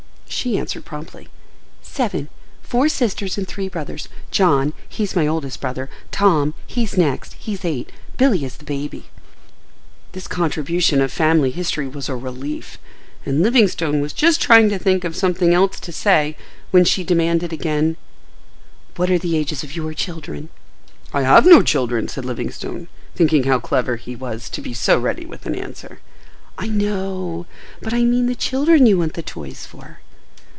She answered promptly. "Seven: four sisters and three brothers. John, he's my oldest brother; Tom, he's next—he's eight. Billy is the baby." This contribution of family history was a relief, and Livingstone was just trying to think of something else to say, when she demanded again, "What are the ages of your children?" "I have no children," said Livingstone, thinking how clever he was to be so ready with an answer. "I know.—But I mean the children you want the toys for?"